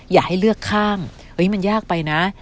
อย่าให้เลือกข้างมันยากไปนะ